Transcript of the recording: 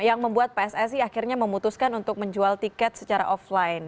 yang membuat pssi akhirnya memutuskan untuk menjual tiket secara offline